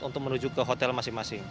untuk menuju ke hotel masing masing